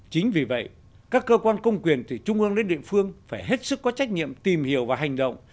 chính vì vậy các cơ quan công quyền từ trung ương đến địa phương phải hết sức có trách nhiệm tìm hiểu và hành động